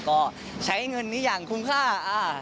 ก็ใช้เงินนี้อย่างคุ้มค่า